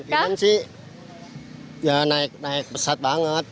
ya kemungkinan sih ya naik naik pesat banget